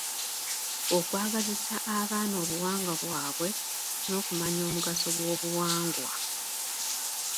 Okwagazisa abaana obuwangwa bwabwe n’okumanya omugaso gw’obuwangwa.